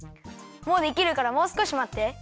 もうできるからもうすこしまって。